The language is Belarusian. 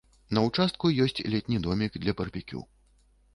На ўчастку ёсць летні домік для барбекю.